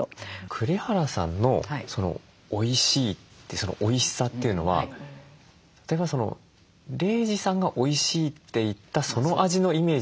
栗原さんの「おいしい」ってそのおいしさというのは例えば玲児さんがおいしいって言ったその味のイメージなのか。